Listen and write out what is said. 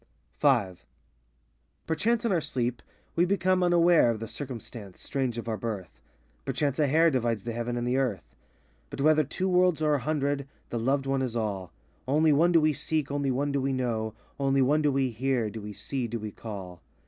V Perchance in our sleep we become unaware Of the circumstance strange of our birth; Perchance a hair Divides the heaven and the earth. But whether two worlds or a hundred, the loved One is all; Only One do we seek, only One do we know, Only One do we hear, do we see, de we call.